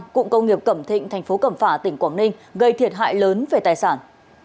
cụng công nghiệp cẩm thịnh tp cẩm phả tỉnh quảng ninh gây thiệt hại lớn về tài sản